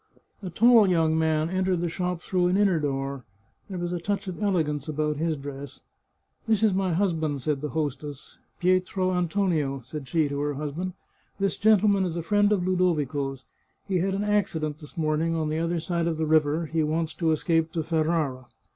A tall young man entered the shop through an inner door ; there was a touch of elegance about his dress. " This is my husband," said the hostess. —" Pietro An tonio," said she to her husband, " this gentleman is a friend of Ludovico's. He had an accident this morning on the other side of the river ; he wants to escape to Ferrara."